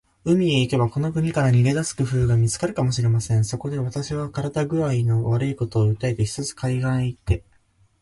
海へ行けば、この国から逃げ出す工夫が見つかるかもしれません。そこで、私は身体工合の悪いことを訴えて、ひとつ海岸へ行って